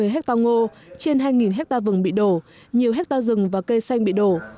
hai trăm năm mươi hectare ngô trên hai hectare vừng bị đổ nhiều hectare rừng và cây xanh bị đổ